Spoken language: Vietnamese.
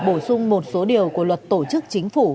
bổ sung một số điều của luật tổ chức chính phủ